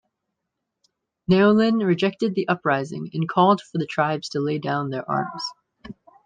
Neolin rejected the uprising, and called for the tribes to lay down their arms.